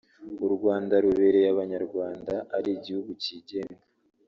‘U Rwanda rubereye Abanyarwanda ari igihugu cyigenga